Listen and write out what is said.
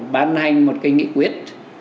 bán hành một cái nghị quyết